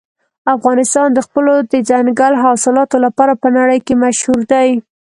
افغانستان د خپلو دځنګل حاصلاتو لپاره په نړۍ کې مشهور دی.